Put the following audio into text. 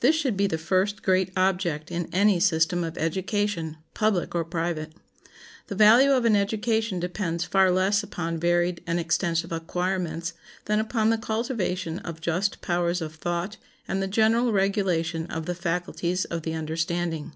This should be the first great object in any system of education, public or private. The value of an education depends far less upon varied and extensive acquirements than upon the cultivation of just powers of thought and the general regulation of the faculties of the understanding.